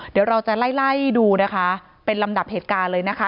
เดี๋ยวเราจะไล่ไล่ดูนะคะเป็นลำดับเหตุการณ์เลยนะคะ